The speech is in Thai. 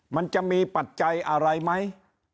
มันจะมีปัจจัยอะไรไหม